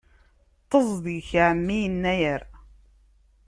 Ṭṭeẓ deg-k a ɛemmi Yennayer!